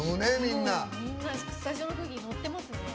スタジオの空気、乗ってますね。